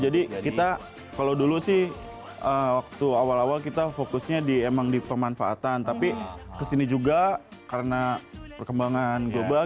jadi kita kalau dulu sih waktu awal awal kita fokusnya di emang di pemanfaatan tapi kesini juga karena perkembangan global